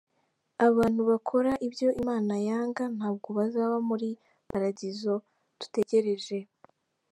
Abantu bakora ibyo imana yanga, ntabwo bazaba muli paradizo dutegereje.